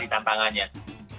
tentangnya sangat dekat sekali